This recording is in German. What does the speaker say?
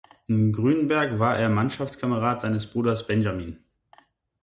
In Grünberg war er Mannschaftskamerad seines Bruders Benjamin.